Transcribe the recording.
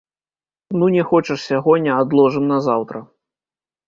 Ну, не хочаш сягоння, адложым на заўтра.